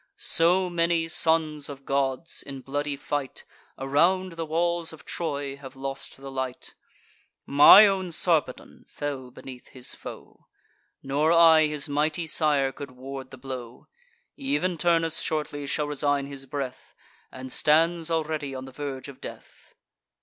So many sons of gods, in bloody fight, Around the walls of Troy, have lost the light: My own Sarpedon fell beneath his foe; Nor I, his mighty sire, could ward the blow. Ev'n Turnus shortly shall resign his breath, And stands already on the verge of death."